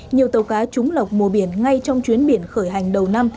nhiều tàu cá trúng lọc mùa biển ngay trong chuyến biển khởi hành đầu năm